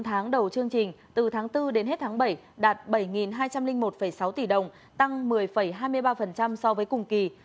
sáu tháng đầu chương trình từ tháng bốn đến hết tháng bảy đạt bảy hai trăm linh một sáu tỷ đồng tăng một mươi hai mươi ba so với cùng kỳ